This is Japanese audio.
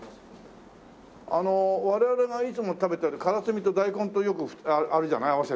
あの我々がいつも食べてるからすみと大根とよくあるじゃない？